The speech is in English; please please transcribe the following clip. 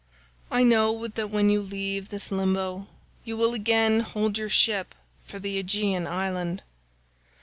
I know that when you leave this limbo you will again hold your ship for the Aeaean island.